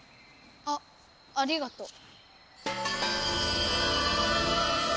あっありがとう。